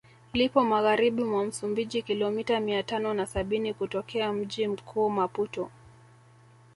Lipo Magharibi mwa Msumbiji kilomita mia tano na sabini kutokea mji mkuu Maputo